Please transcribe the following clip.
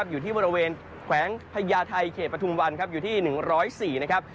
อยู่ที่บริเวณแขวงพญาไทยเขตปฐุมวันครับอยู่ที่๑๐๔นะครับ